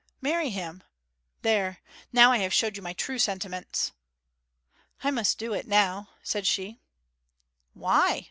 'Marry him. There, now I have showed you my true sentiments.' 'I must do it now,' said she. 'Why?'